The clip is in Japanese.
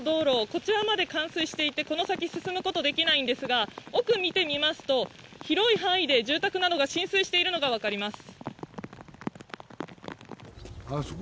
こちらまで冠水していて、この先進むことができないんですが奥を見てみますと広い範囲で住宅などが浸水しているのが分かります。